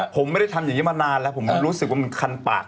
ผมไม่ได้ทำอย่างนี้มานานแล้วผมรู้สึกว่ามันคันปาก